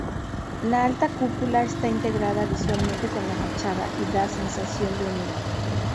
La alta cúpula está integrada visualmente con la fachada, y da sensación de unidad.